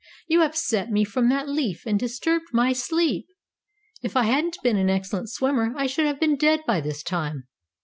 "You upset me from that leaf and disturbed my sleep. If I hadn't been an excellent swimmer I should have been dead by this time."